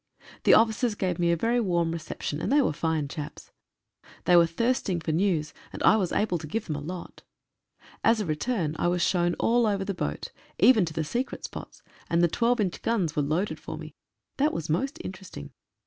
The officers gave me a very warm reception, and they were fine chaps. They were thirst ing for news, and I was able to give them a lot. As a return I was shown all over the boat, even to the secret spots, and the 12 inch guns were loaded for me. That was most interesting.